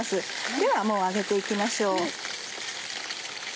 ではもう上げて行きましょう。